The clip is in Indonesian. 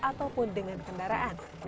ataupun dengan kendaraan